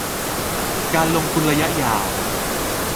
การลงทุนระยะยาว